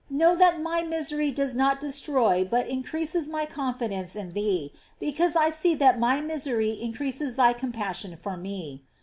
know that my misery does not destroy, but in creases my confidence in thee, because I see that my misery increases thy compassion for me.